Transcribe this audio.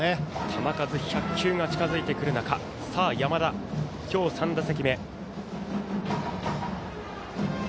球数１００球が近づいてくる中山田、今日３打席目。